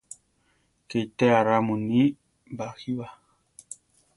¡Ké itéa ra muní ! baʼjí ba!